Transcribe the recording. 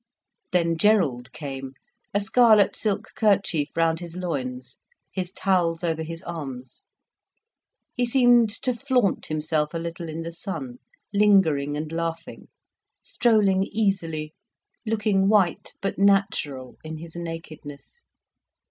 Then Gerald came, a scarlet silk kerchief round his loins, his towels over his arms. He seemed to flaunt himself a little in the sun, lingering and laughing, strolling easily, looking white but natural in his nakedness.